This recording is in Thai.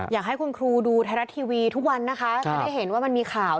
อยากให้คุณครูดูไทยรัฐทีวีทุกวันนะคะจะได้เห็นว่ามันมีข่าว